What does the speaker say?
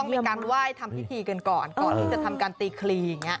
มีการไหว้ทำพิธีกันก่อนก่อนที่จะทำการตีคลีอย่างนี้